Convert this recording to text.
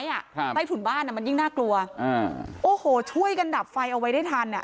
อ่ะครับใต้ถุนบ้านอ่ะมันยิ่งน่ากลัวอ่าโอ้โหช่วยกันดับไฟเอาไว้ได้ทันอ่ะ